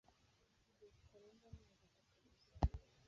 mu gihe kitarenze amezi atatu gusa.